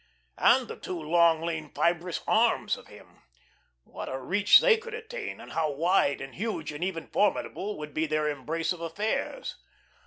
And the two long, lean, fibrous arms of him; what a reach they could attain, and how wide and huge and even formidable would be their embrace of affairs.